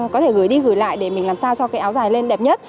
có thể gửi đi gửi lại để mình làm sao cho cái áo dài lên đẹp nhất